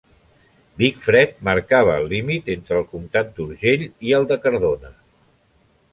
Vicfred marcava el límit entre el Comtat d’Urgell i el de Cardona.